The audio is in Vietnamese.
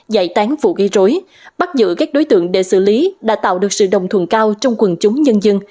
giải tán vụ ghi rối bắt giữ các đối tượng để xử lý đã tạo được sự đồng thuận cao trong quần chúng nhân dân